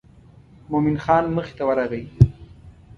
مومن خان مخې ته ورغی.